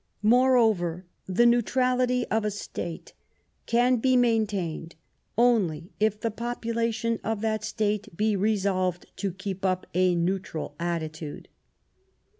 More 172 The German Empire over, theneutrality of a State can be maintained only if the population of that State be resolved to keep up a neutral attitude.